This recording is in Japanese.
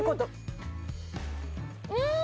うん！